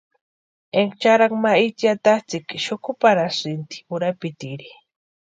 Énka charhaku ma itsï atatsïʼka xukuparhanʼtasïnti urapitiri.